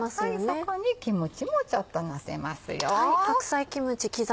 そこにキムチもちょっとのせますよ。